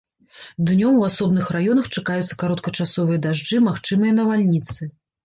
Днём у асобных раёнах чакаюцца кароткачасовыя дажджы, магчымыя навальніцы.